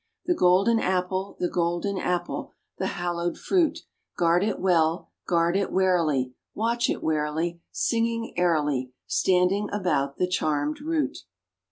TJie Golden Apple, the Golden Apple, the hallowed fruit, Guard it well, guard it warily, Watch it warily, Singing airily, Standing about the charmed root!